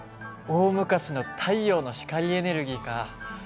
大昔の太陽の光エネルギーか。